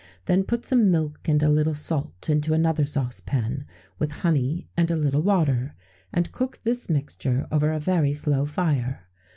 Then put some milk and a little salt into another saucepan, with honey and a little water, and cook this mixture over a very slow fire.